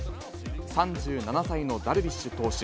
３７歳のダルビッシュ投手。